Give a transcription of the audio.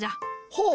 ほう？